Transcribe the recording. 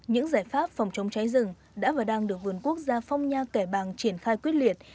những giải pháp phòng chống cháy rừng đã và đang được vườn quốc gia phong nha kẻ bàng triển khai quyết liệt